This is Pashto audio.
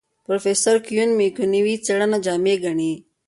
پروفیسر کیون میکونوی څېړنه جامع ګڼي.